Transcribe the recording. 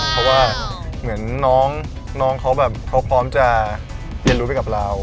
เพราะว่าเหมือนน้องเขาแบบเขาพร้อมจะเรียนรู้ไปกับเรา